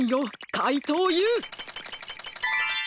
かいとうＵ！